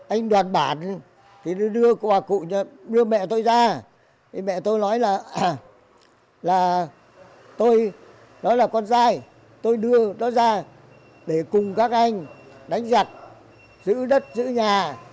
anh đoàn bản thì đưa mẹ tôi ra mẹ tôi nói là tôi là con trai tôi đưa nó ra để cùng các anh đánh giặt giữ đất giữ nhà